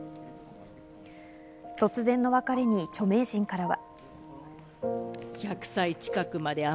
突然の別れに著名人からは。